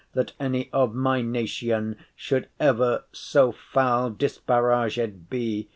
that any of my nation Should ever so foul disparaged be.